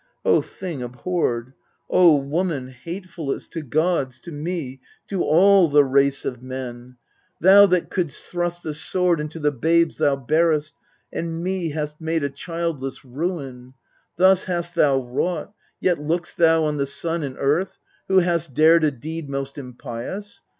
O thing abhorred ! O woman hatefullest 286 EURIPIDES To gods, to me, to all the race of men, Thou that couldst thrust the sword into the babes Thou bar'st, and me hast made a childless ruin ! Thus hast thou wrought, yet look'st thou on the sun And earth, who hast dartd a deed most impious?